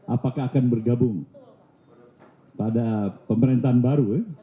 apakah akan bergabung pada pemerintahan baru ya